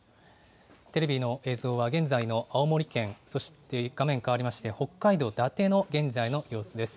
テレビの映像は現在の青森県そして、画面変わりまして北海道伊達の現在の様子です。